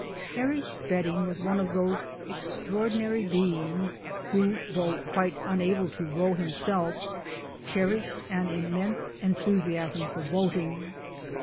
Harry Spedding was one of those extraordinary beings who though quite unable to row himself cherished an immense enthusiasm for boating.